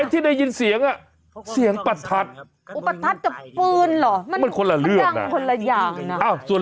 ไอ้ที่ได้ยินเสียงนะเขาบอกว่าเขาเป็นบดทัด